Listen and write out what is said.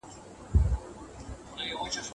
د ژوند شرایطو ته د ښځو پام اړول مهم دي.